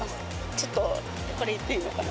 ちょっとこれ、言っていいのかな。